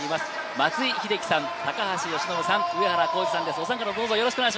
松井秀喜さん、高橋由伸さん、上原浩治さんです。